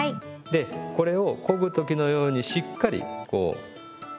でこれをこぐ時のようにしっかりこう円を描くんですね。